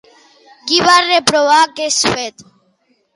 Qui va reprovar aquest fet?